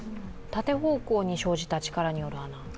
縦方向に生じた力による穴。